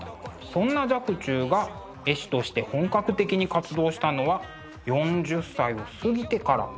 そんな若冲が絵師として本格的に活動したのは４０歳を過ぎてから。